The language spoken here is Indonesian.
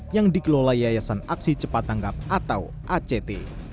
yang dikelola yayasan aksi cepat tanggap atau act